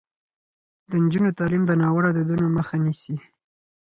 د نجونو تعلیم د ناوړه دودونو مخه نیسي.